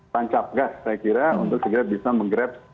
tancap gas saya kira untuk segera bisa menggrab